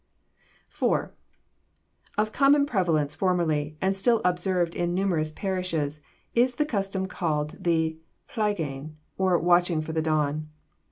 IV. Of common prevalence formerly, and still observed in numerous parishes, is the custom called the Plygain, or watching for the dawn.